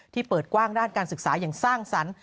เปิดกว้างด้านการศึกษาอย่างสร้างสรรค์